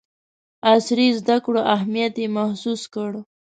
عصري زدکړو اهمیت یې محسوس کړ.